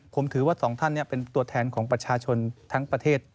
ผมถือสองอันเนี้ยเป็นตัวแทนค่ะของประชาชนทั้งประเทศ